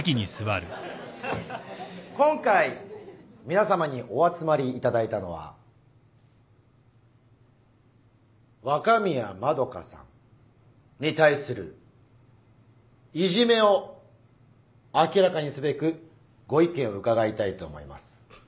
今回皆さまにお集まりいただいたのは若宮円さんに対するいじめを明らかにすべくご意見を伺いたいと思います。